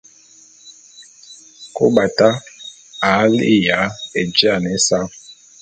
Kôbata a li'iya éjiane ésa.